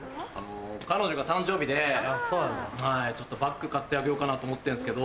彼女が誕生日でバッグ買ってあげようかなと思ってんすけど。